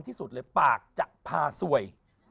ที่สุดเลยปากจะพาสวย